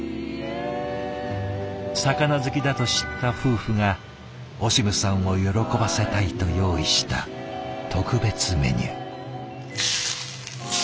魚好きだと知った夫婦がオシムさんを喜ばせたいと用意した特別メニュー。